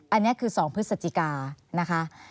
อันนี้คือ๒พฤศจิกานะคะ